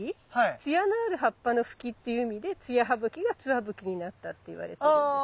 つやのある葉っぱのフキっていう意味で「つや葉ブキ」が「ツワブキ」になったっていわれてるんです。